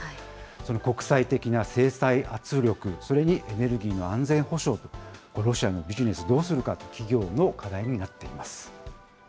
その国際的な制裁圧力、それにエネルギーの安全保障と、ロシアのビジネス、どうするか、企業の課題になっています。